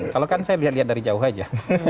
kalau kan saya lihat lihat dari jauh aja